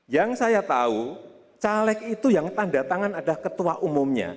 yang saya tahu caleg itu yang tanda tangan ada ketua umumnya